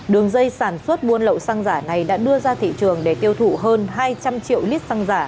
đường dây sản xuất buôn lậu xăng giả này đã đưa ra thị trường để tiêu thụ hơn hai trăm linh triệu lít xăng giả